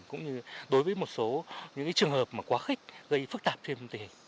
cũng như đối với một số những trường hợp mà quá khích gây phức tạp thêm